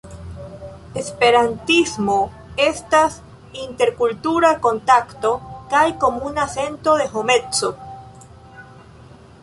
Esperantismo estas interkultura kontakto kaj komuna sento de homeco.